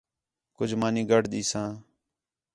کُج مانی گڈھ دیساں